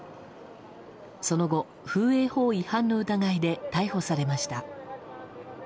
その後、風営法違反の疑いで逮捕されました。